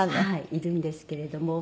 いるんですけれども。